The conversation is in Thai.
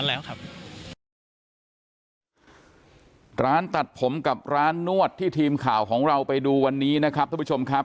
คือไม่ได้เดินห้างมาเกือบ๒เดือนอยู่เหมือนกันนะครับทุกผู้ชมครับ